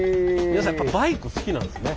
皆さんやっぱバイク好きなんですね！